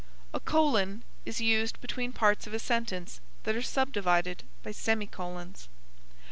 A colon (:) is used between parts of a sentence that are subdivided by semi colons.